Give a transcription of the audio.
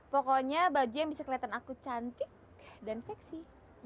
pokoknya baju yang bisa keliatan aku cantik dan keksi